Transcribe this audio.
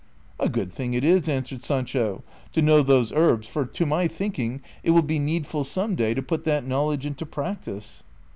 " A good thing it is," answered Sancho, " to know those herbs, for to my thinking it will be needful some day to put that knowledge into practice."